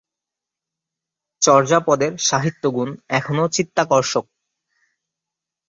চর্যাপদের সাহিত্যগুণ এখনও চিত্তাকর্ষক।